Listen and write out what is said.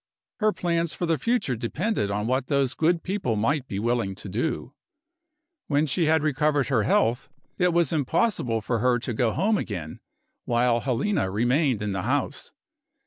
Her plans for the future depended on what those good people might be willing to do. When she had recovered her health, it was impossible for her to go home again while Helena remained in the house.